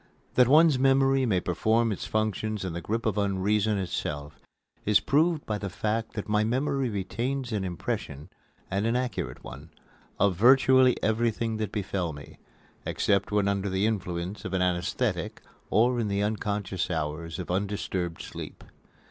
That one's memory may perform its function in the grip of Unreason itself is proved by the fact that my memory retains an impression, and an accurate one, of virtually everything that befell me, except when under the influence of an anaesthetic or in the unconscious hours of undisturbed sleep.